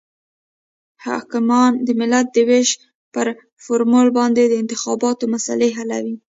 حاکمیان د ملت د وېش پر فارمول باندې د انتخاباتو مسلې حلوي.